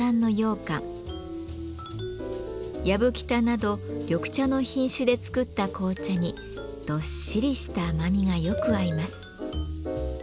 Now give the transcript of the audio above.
やぶきたなど緑茶の品種で作った紅茶にどっしりした甘みがよく合います。